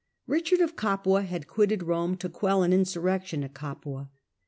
Richard of Capua had quitted Rome to quell an insurrection at Capua.